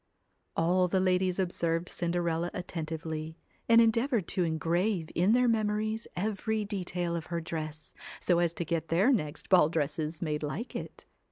All the ladies observed Cinderella attentively, and endeavoured to engrave in their memories every detail of her dress, so as to get their next ball dresses made like it.